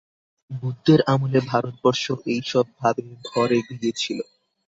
বুদ্ধের আমলে ভারতবর্ষ এইসব ভাবে ভরে গিয়েছিল।